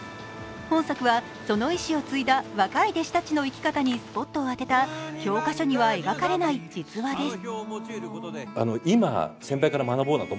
本作は、その遺志を継いだ若い弟子たちの生き方にスポットを当てた教科書には描かれない実話です。